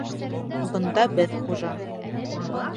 Бында беҙ хужа.